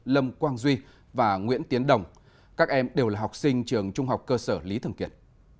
lâm quang duy và nguyễn tiến đồng các em đều là học sinh trường trung học cơ sở lý thường kiệt